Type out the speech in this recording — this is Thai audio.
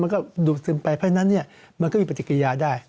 ดูดซึมไปเพราะฉะนั้นมันก็มีปฏิกิริยาได้